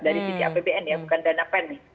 dari sisi apbn bukan dana pen